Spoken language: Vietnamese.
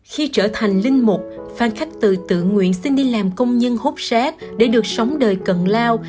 khi trở thành linh mục phan khách từ tự nguyện sinh đi làm công nhân hốt rác để được sống đời cận lao